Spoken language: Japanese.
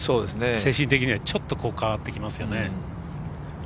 精神的には変わってきますよね。